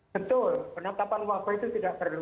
betul penetapan wabah itu tidak perlu